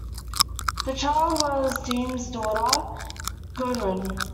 The child was Diem's daughter, Gudrun.